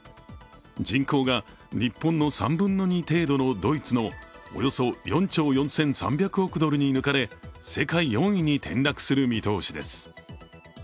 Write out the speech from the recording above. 人口が日本の３分の２程度のドイツのおよそ４兆４３００億ドルに抜かれ世界４位に転落する見通しです。